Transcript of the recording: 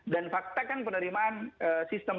dan faktakan penerimaan sistem